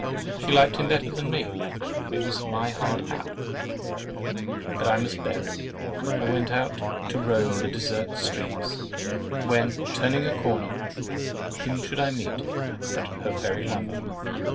She liked him better than me—it was my hard hap, but I must bear it. I went out to roam the desert streets, when, turning a corner, whom should I meet but her very lover?